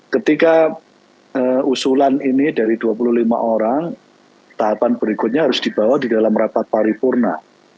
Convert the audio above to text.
ketika usulan ini dari dua puluh lima orang tahapan berikutnya harus dibawa di dalam rapat paripurna